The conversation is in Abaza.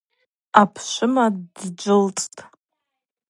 Апшвыма дджвылцӏтӏ.